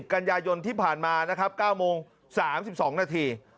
กันยายนที่ผ่านมานะครับ๙โมง๓๒นาที